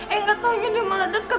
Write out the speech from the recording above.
eh gak taunya dia malah dekat